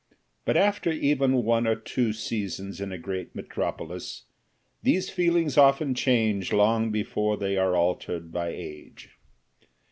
But after even one or two seasons in a great metropolis these feelings often change long before they are altered by age.